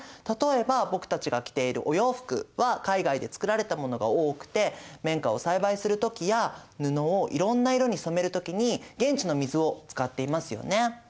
例えば僕たちが着ているお洋服は海外で作られたものが多くて綿花を栽培する時や布をいろんな色に染める時に現地の水を使っていますよね。